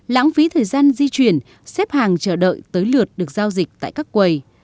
lãng phí thời gian di chuyển xếp hàng chờ đợi tới lượt được giao dịch tại các quầy